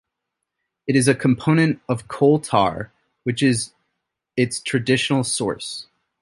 It is a component of coal tar, which is its traditional source.